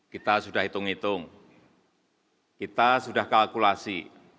kita sudah hitung hitung kita sudah kalkulasi